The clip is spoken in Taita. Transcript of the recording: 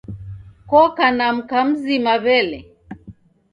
Koka na mka mzima wele?